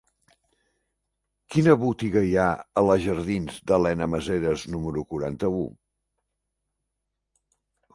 Quina botiga hi ha a la jardins d'Elena Maseras número quaranta-u?